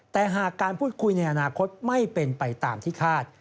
แต่หากการพูดคุยในอนาคตไม่เป็นไปตามที่คาด